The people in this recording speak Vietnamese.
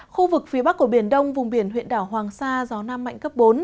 khu vực phía bắc của biển đông vùng biển huyện đảo hoàng sa gió nam mạnh cấp bốn